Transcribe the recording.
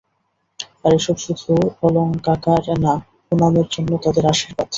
আর এসব শুধু অলঙ্কাকার না, পুনামের জন্য তাদের আশির্বাদ।